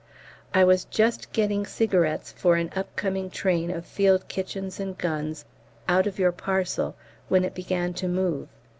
I was just getting cigarettes for an up going train of field kitchens and guns out of your parcel when it began to move.